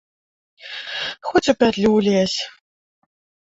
Хоць у пятлю лезь.